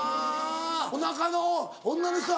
おなかの女の人は。